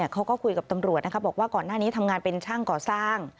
เขาก็คุยกับตำรวจบอกว่าก่อนหน้านี้ทำงานเป็นช่างก่อสร้าง